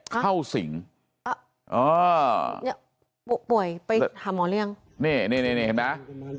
เข้าสิงอ้าอนี่ป่วยไปหาหมอเรื่องนี่นี่นี่นี่นี่